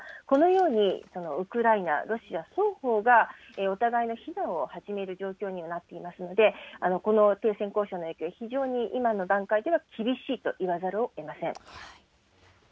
このように、ウクライナ、ロシア双方がお互いの非難を始める状況にはなっていますので、この停戦交渉の影響、非常に今の段階では、厳しいといわざるをえ